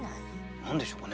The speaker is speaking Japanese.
何でしょうかねこれ。